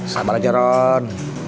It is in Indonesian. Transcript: sabar aja ron